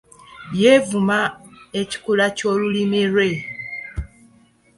Yeevuma ekikula ky’olulimi lwe.